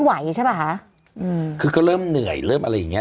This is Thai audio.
ไหวใช่ป่ะคะอืมคือก็เริ่มเหนื่อยเริ่มอะไรอย่างเงี้